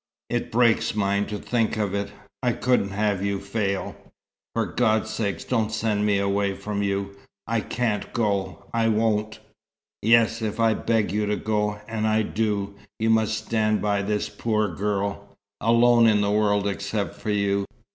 It breaks mine to think of it. I couldn't have you fail." "For God's sake don't send me away from you. I can't go. I won't." "Yes, if I beg you to go. And I do. You must stand by this poor girl, alone in the world except for you.